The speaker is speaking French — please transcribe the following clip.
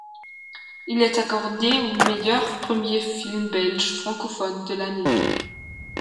Il est accordé au meilleur premier film belge francophone de l'année.